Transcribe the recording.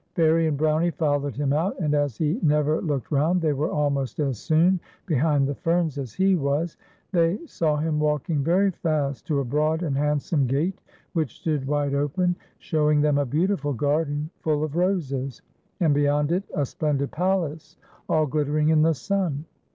Fairie and Brownie followed him out, and as he never looked round, they were almost as soon behind the ferns as he was. They saw him walking very fast to a broad and handsome gate which stood wide open, showing them a beautiful garden full of roses, and beyond it a splendid palace all glitterin g in the sun.